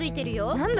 なんだ？